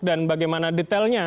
dan bagaimana detailnya